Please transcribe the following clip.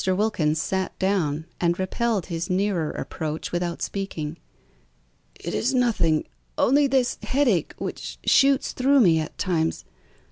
Wilkins sat down, and repelled his nearer approach without speaking. "It is nothing, only this headache which shoots through me at times.